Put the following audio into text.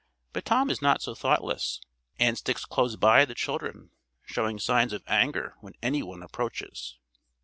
But Tom is not so thoughtless, and sticks close by the children, showing signs of anger when any one approaches.